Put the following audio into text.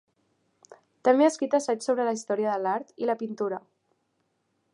També ha escrit assaigs sobre la història de l'art i la pintura.